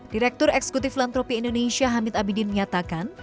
direktur eksekutif filantropi indonesia hamid abidin menyatakan